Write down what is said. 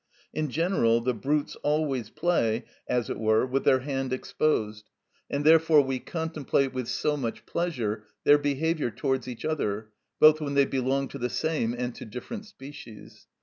In general, the brutes always play, as it were, with their hand exposed; and therefore we contemplate with so much pleasure their behaviour towards each other, both when they belong to the same and to different species.